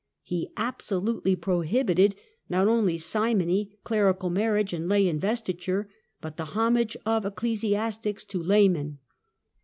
He absolutely prohibited not only simony, clerical marriage and lay investiture, but the homage of ecclesiastics to laymen.